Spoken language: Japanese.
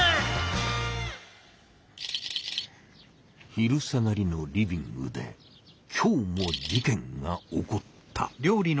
昼下がりのリビングで今日も事件が起こった。